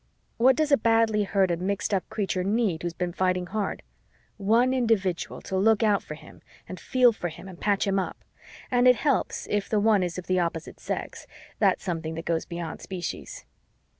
What does a badly hurt and mixed up creature need who's been fighting hard? One individual to look out for him and feel for him and patch him up, and it helps if the one is of the opposite sex that's something that goes beyond species.